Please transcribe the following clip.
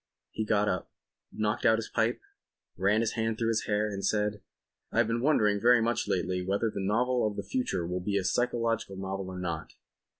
He got up, knocked out his pipe, ran his hand through his hair and said: "I have been wondering very much lately whether the novel of the future will be a psychological novel or not.